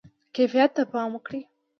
کیفیت ته پام وکړئ